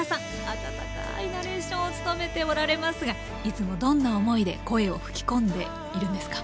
あたたかいナレーションを務めておられますがいつもどんな思いで声を吹き込んでいるんですか？